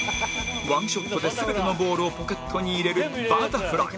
ワンショットで全てのボールをポケットに入れるバタフライ